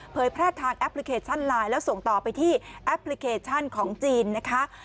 แพร่ทางแอปพลิเคชันไลน์แล้วส่งต่อไปที่แอปพลิเคชันของจีนนะคะ